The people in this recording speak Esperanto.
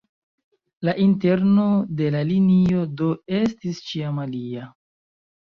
La interno de la linioj do estis ĉiam alia.